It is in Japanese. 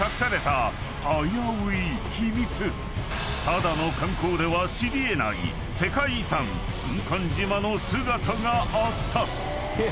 ［ただの観光では知り得ない世界遺産軍艦島の姿があった］